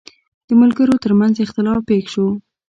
د ملګرو ترمنځ اختلاف پېښ شو.